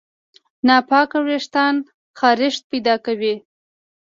ناپاک وېښتيان خارښت پیدا کوي.